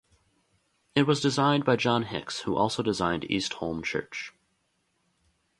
It was designed by John Hicks, who also designed East Holme church.